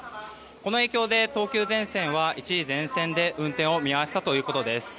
この影響で、東急電線は一時全線で運転を見合わせたということです。